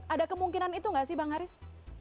ada kemungkinan itu nggak sih bang haris